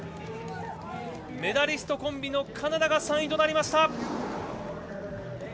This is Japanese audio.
メダリストコンビのカナダが３位となりました。